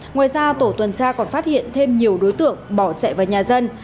ngoài ra tổ tuần tra còn phát hiện thêm nhiều đối tượng bỏ chạy vào nhà dân